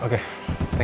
oke selamat pagi